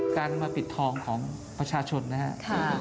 การมาปิดทองของประชาชนนะครับ